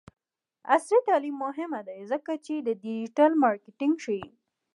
عصري تعلیم مهم دی ځکه چې د ډیجیټل مارکیټینګ ښيي.